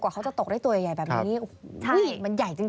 กว่าเขาจะตกได้ตัวใหญ่แบบนี้มันใหญ่จริง